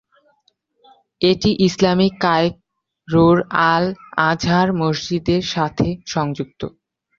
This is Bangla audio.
এটি ইসলামিক কায়রোর আল-আজহার মসজিদের সাথে সংযুক্ত।